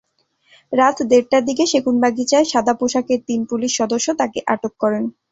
রাত দেড়টার দিকে সেগুনবাগিচায় সাদাপোশাকের তিন পুলিশ সদস্য তাঁকে আটক করেন।